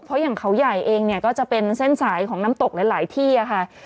เพราะอย่างเขาใหญ่เองเนี่ยก็จะเป็นเส้นสายของน้ำตกหลายที่ค่ะ